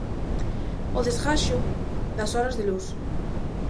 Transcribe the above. O desgaxo das horas de luz.